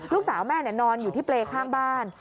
ลูกสาวแม่นอนอยู่ที่เปรย์ข้างบ้าน